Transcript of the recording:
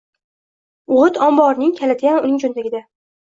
O‘g‘it omborining kalitiyam uning cho‘ntagida